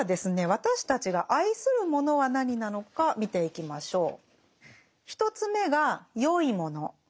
私たちが愛するものは何なのか見ていきましょう。